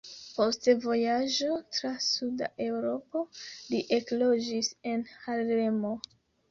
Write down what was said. Post vojaĝo tra Suda Eŭropo li ekloĝis en Harlemo.